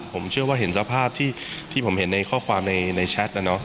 ผมเชื่อว่าเห็นสภาพที่ผมเห็นในข้อความในแชทนะเนาะ